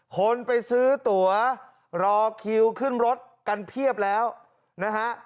คนไปซื้อตัวรอคิวขึ้นรถกันเพียบแล้วนะฮะ